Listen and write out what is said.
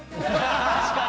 確かに。